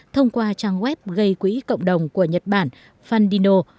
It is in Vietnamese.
thông qua trang web gây quỹ cộng đồng của nhật bản fandino